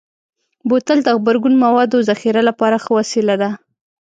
بوتل د غبرګون موادو ذخیره لپاره ښه وسیله ده.